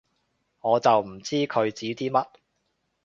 我就唔知佢指啲乜